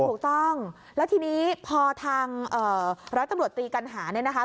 ถูกต้องแล้วทีนี้พอทางร้อยตำรวจตีกันหาเนี่ยนะคะ